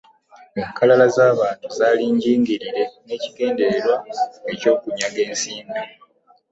Enkalala z'abantu zaali njingirire n'ekigendererwa eky'okunyaga ensimbi.